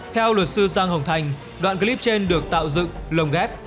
theo lột sư giang hồng thanh đoạn clip trên được tạo dựng lồng ghép